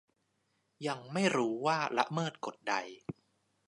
ยังไม่รู้ว่าละเมิดกฎใด